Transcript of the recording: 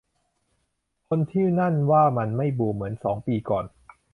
คนที่นั่นว่ามันไม่บูมเหมือนสองปีก่อน